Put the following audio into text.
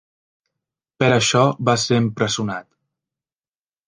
Per això va ser empresonat.